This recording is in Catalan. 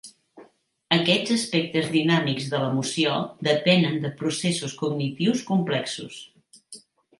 Aquests aspectes dinàmics de l'emoció depenen de processos cognitius complexos.